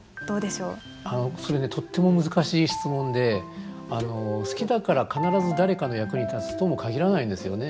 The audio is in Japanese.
それねとっても難しい質問で好きだから必ず誰かの役に立つとも限らないんですよね。